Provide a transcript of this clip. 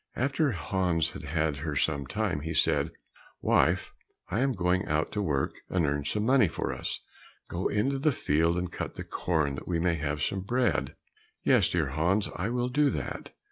After Hans had had her some time, he said, "Wife, I am going out to work and earn some money for us; go into the field and cut the corn that we may have some bread." "Yes, dear Hans, I will do that."